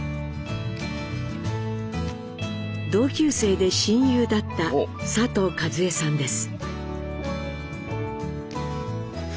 同級生で親友だった佐藤和恵さんです。